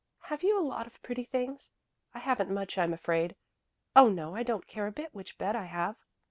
Have you a lot of pretty things? I haven't much, I'm afraid. Oh, no, I don't care a bit which bed I have."